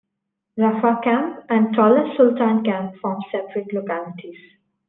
Rafah camp and Tall as-Sultan camp form separate localities.